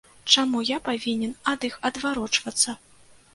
Чаму я павінен ад іх адварочвацца?